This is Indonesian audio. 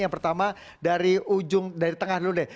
yang pertama dari ujung dari tengah dulu deh